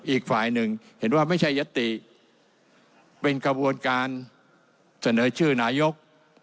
อีกฝ่ายหนึ่งเห็นว่าไม่ใช่ยติเป็นกระบวนการเสนอชื่อนายก